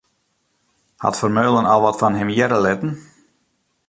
Hat Vermeulen al wat fan him hearre litten?